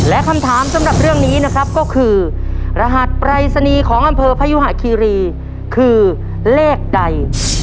และคำถามสำหรับเรื่องนี้นะครับก็คือรหัสปรายศนีย์ของอำเภอพยุหะคีรีคือเลขใด